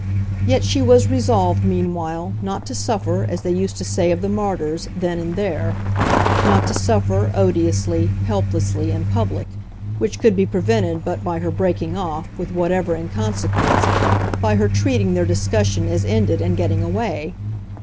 Yet she was resolved, meanwhile, not to suffer, as they used to say of the martyrs, then and there; not to suffer, odiously, helplessly, in public which could be prevented but by her breaking off, with whatever inconsequence; by her treating their discussion as ended and getting away.